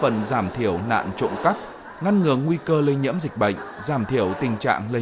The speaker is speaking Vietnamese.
tiền giảm thiểu nạn trộm cắt ngăn ngừa nguy cơ lây nhiễm dịch bệnh giảm thiểu tình trạng lây